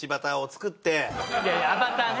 いやいやアバターね。